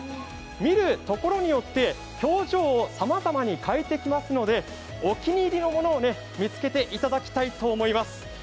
見るところによって、表情をさまざまに変えてきますのでお気に入りのものを見つけていただきたいと思います。